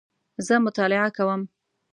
زه مطالعه کوم